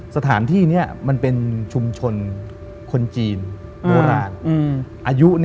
สถานที่นี้มันเป็นชุมชนคนจีนโบราณอายุ